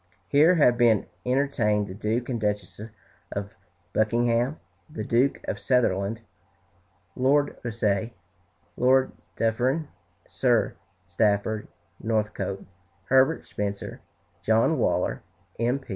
Here have been entertained the Duke and Duchess of Buckingham, the Duke of Sutherland, Lord Rosse, Lord Dufferin, Sir Stafford Northcote, Herbert Spencer, John Waller, M.